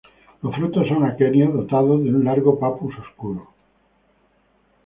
Los frutos son aquenios dotados de un largo Papus oscuro.